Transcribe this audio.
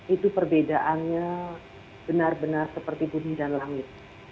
itu perbedaannya benar benar seperti bumi dan langit